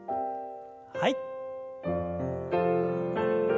はい。